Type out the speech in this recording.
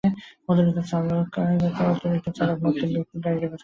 অতিরিক্ত চালক মদ্যপ ব্যক্তির গাড়িটির পেছনে পেছনে চালিয়ে সেবাগ্রহীতার বাড়িতে পৌঁছে দেবে।